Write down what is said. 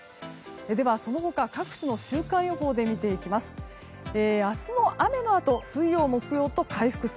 では、その他各地も週間予報で見ていきます。